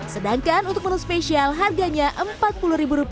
sedangkan untuk menu spesial harganya rp empat puluh